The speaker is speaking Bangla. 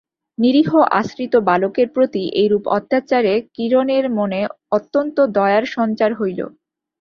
নিরীহ আশ্রিত বালকের প্রতি এইরূপ অত্যাচারে কিরণের মনে অত্যন্ত দয়ার সঞ্চার হইল।